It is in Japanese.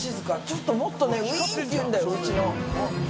ちょっともっとねウィンっていうんだようちの。